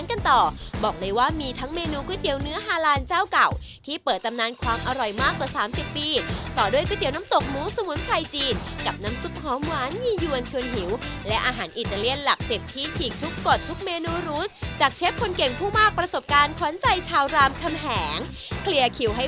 ในวันนี้บอกได้คำเดียวว่ามาเที่ยวมาเที่ยวมาเช็คอินกับหลายเมนูสำหรับเราเส้นเป็นเรื่องในวันนี้บอกได้คำเดียวว่ามาเที่ยวมาเที่ยวมาเช็คอินกับหลายเมนูสำหรับเราเส้นเป็นเรื่องในวันนี้บอกได้คำเดียวว่ามาเที่ยวมาเที่ยวมาเช็คอินกับหลายเมนูสำหรับเราเส้นเป็นเรื่องในวันนี้บอกได้คำเดียวว่ามาเที่ยวมา